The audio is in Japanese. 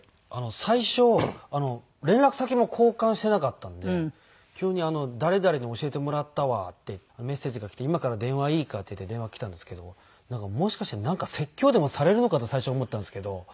最初連絡先も交換してなかったんで急に「誰々に教えてもらったわ」ってメッセージが来て「今から電話いいか？」っていって電話きたんですけどもしかしてなんか説教でもされるのかと最初思ったんですけど。